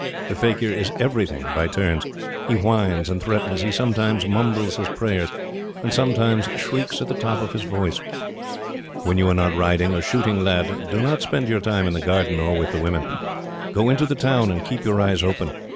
The fakir is everything by turns; he whines, and threatens; he sometimes mumbles his prayers, and sometimes shrieks at the top of his voice. "When you are not riding or shooting, lad, do not spend your time in the garden, or with the women. Go into the town and keep your eyes open.